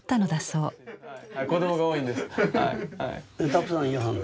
たくさんいはんの？